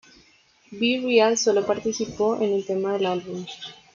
B-real solo participó en un tema del álbum.